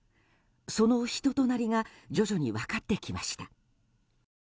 その人となりが徐々に分かってきました。